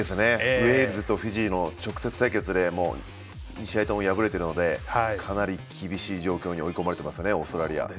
ウェールズとフィジーの直接対決で２試合とも敗れているのでかなり厳しい状況に追い込まれてますよねオーストラリア。